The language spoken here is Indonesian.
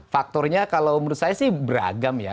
faktornya kalau menurut saya sih beragam ya